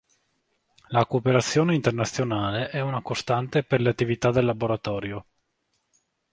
La cooperazione internazionale è una costante per le attività del laboratorio.